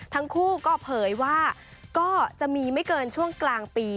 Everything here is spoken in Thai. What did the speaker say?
ทั้งคู่ก็เผยว่าก็จะมีไม่เกินช่วงกลางปี